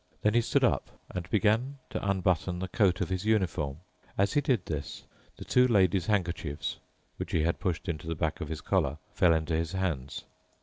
Then he stood up and began to unbutton the coat of his uniform. As he did this, the two lady's handkerchiefs, which he had pushed into the back of his collar, fell into his hands.